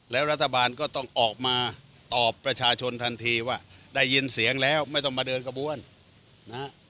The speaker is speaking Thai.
แล้วรัฐบาลก็ต้องออกมาตอบประชาชนทันทีว่าได้ยินเสียงแล้วไม่ต้องมาเดินกระบวนนะฮะ